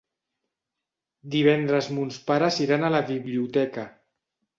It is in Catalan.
Divendres mons pares iran a la biblioteca.